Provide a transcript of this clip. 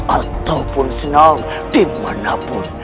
ataupun senang di manapun